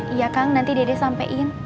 iya kang nanti dede sampein